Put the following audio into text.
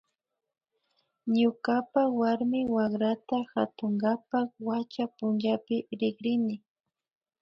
Ñukapa warmi wakrata katunkapak wacha punchapi rikrini